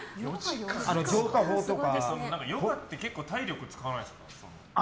ヨガって結構体力使わないですか？